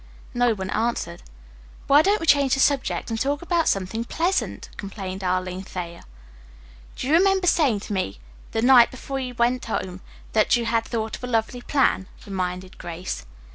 No one answered. "Why don't we change the subject and talk about something pleasant," complained Arline Thayer. "Do you remember saying to me the night before we went home that you had thought of a lovely plan?" reminded Grace.